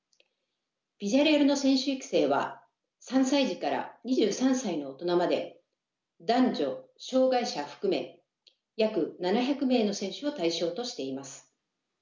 ビジャレアルの選手育成は３歳児から２３歳の大人まで男女障がい者含め約７００名の選手を対象としています。